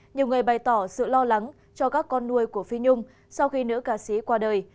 nhiều người bày tỏ sự lo lắng cho các con nuôi của phi nhung sau khi nữ ca sĩ qua đời